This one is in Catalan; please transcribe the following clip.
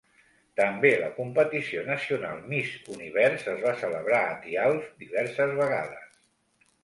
També la competició nacional Miss Univers es va celebrar a Thialf diverses vegades.